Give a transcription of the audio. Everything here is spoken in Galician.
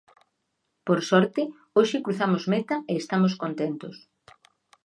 Por sorte, hoxe cruzamos meta e estamos contentos.